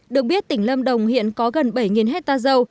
được biết tỉnh lâm đồng hiện có gần bảy hectare dâu